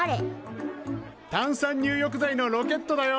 炭酸入浴剤のロケットだよ。